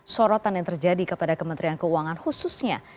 sorotan yang terjadi kepada kementerian keuangan khususnya